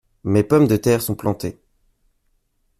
Mes pommes de terre sont plantées.